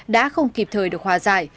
đã không kịp thời được hòa giải